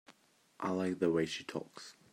I like the way she talks.